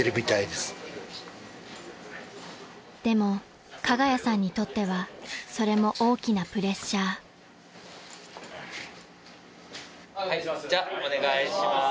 ［でも加賀谷さんにとってはそれも大きなプレッシャー］じゃあお願いします。